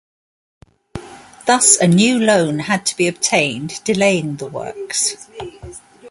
Thus, a new loan had to be obtained delaying the works.